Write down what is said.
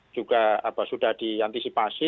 juga apa sudah diantisipasi